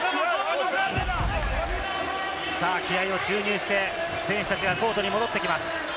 気合を注入して、選手たちがコートに戻ってきます。